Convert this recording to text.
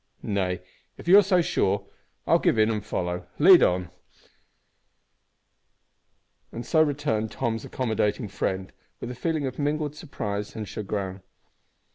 "Nay, if you are so sure, I will give in and follow. Lead on," returned Tom's accommodating friend, with a feeling of mingled surprise and chagrin.